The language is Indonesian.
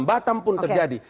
batam pun terjadi